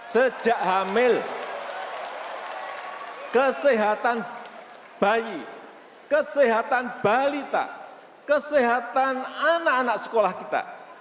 sejak hamil kesehatan bayi kesehatan balita kesehatan anak anak sekolah kita